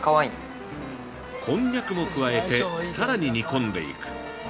◆こんにゃくも加えて、さらに煮込んでいく。